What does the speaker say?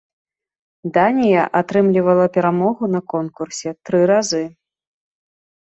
Данія атрымлівала перамогу на конкурсе тры разы.